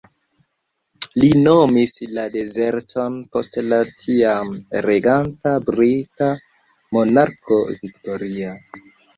Li nomis la dezerton post la tiam-reganta brita monarko, Viktoria.